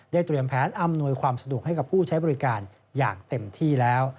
เตรียมแผนอำนวยความสะดวกให้กับผู้ใช้บริการอย่างเต็มที่แล้ว